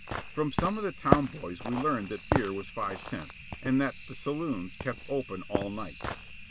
From some of the town boys we learned that beer was five cents, and that the saloons kept open all night.